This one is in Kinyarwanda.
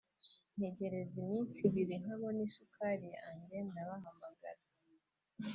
ntegereza iminsi ibiri ntabona isukari yanjye ndabahamagara